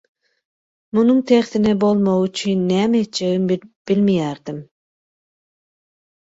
Munuň tersine bolmagy üçin näme etjegimi bilmeýärdim.